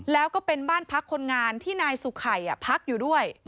แล้วก็เป็นบ้านพักคนงานที่นายสุขัยพักอยู่ด้วย